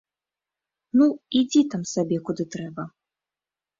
Ну, ідзі там сабе куды трэба.